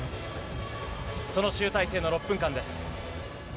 その集大成の６分間です。